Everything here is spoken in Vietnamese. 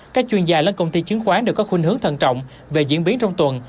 các chuyên gia lớn công ty chứng khoán đều có khuyên hướng thận trọng về diễn biến trong tuần